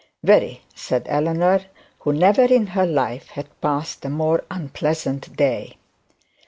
'Very,' said Eleanor, who never in her life had passed a more unpleasant day.